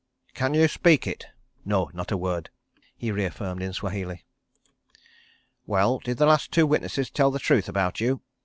"Can you speak it?" "No, not a word," he reaffirmed in Swahili. "Well—did the last two witnesses tell the truth about you?"